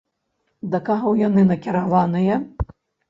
Да каго яны накіраваныя?